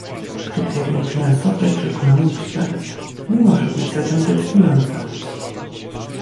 Kryterium finansowe czy ekonomiczne nie może być zatem decydujące